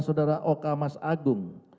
saudara oka mas agung